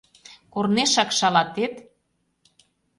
Корнешак шалатет?